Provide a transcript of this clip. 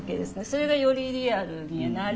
それがよりリアルになり。